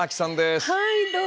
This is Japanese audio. はいどうも。